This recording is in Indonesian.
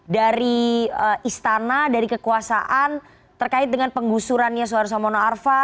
di istana dari kekuasaan terkait dengan penggusurannya soeharto samono arfa